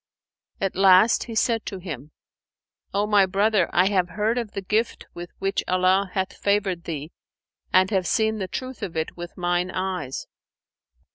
At last he said to him, "O my brother, I have heard of the gift with which Allah hath favoured thee and have seen the truth of it with mine eyes.